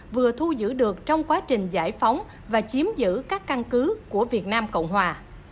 vừa thu giữ được trong quá trình giải phóng và chiếm giữ các căn cứ của việt nam cộng hòa